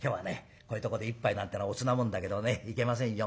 こういうとこで一杯なんてのはおつなもんだけどねいけませんよ。